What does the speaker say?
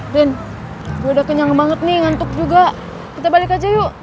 brin udah kenyang banget nih ngantuk juga kita balik aja yuk